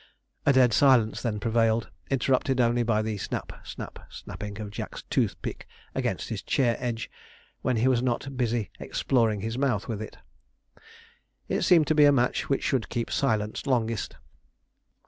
A dead silence then prevailed, interrupted only by the snap, snap, snapping of Jack's toothpick against his chair edge, when he was not busy exploring his mouth with it. It seemed to be a match which should keep silence longest.